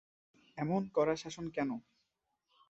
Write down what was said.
এমন কড়া শাসন কেন।